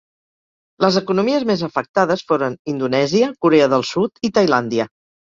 Les economies més afectades foren Indonèsia, Corea del Sud i Tailàndia.